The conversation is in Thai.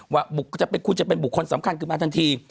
ว่าคุณจะเป็นบุคคลสำคัญขึ้นมาทันที